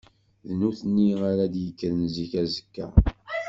D nutni ara d-yekkren zik azekka.